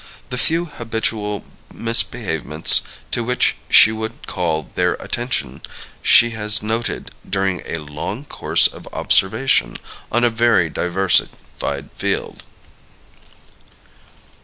The few "habitual misbehavements" to which she would call their attention she has noted during a "long course of observation, on a very diversified field."